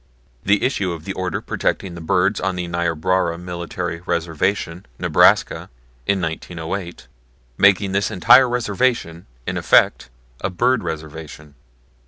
The issue of the Order protecting birds on the Niobrara Military Reservation, Nebraska, in 1908, making this entire reservation in effect a bird reservation.